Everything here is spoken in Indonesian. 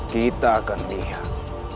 kita akan lihat